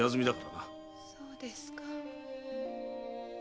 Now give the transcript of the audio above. そうですか。